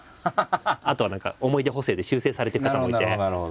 あとは何か思い出補正で修正されていく方もいて。